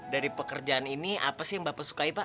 dari pekerjaan ini apa sih yang bapak sukai pak